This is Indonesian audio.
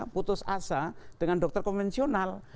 putus asa dengan dokter konvensional